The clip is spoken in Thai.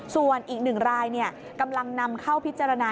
ส่วนอีก๑รายกำลังนำเข้าพิจารณา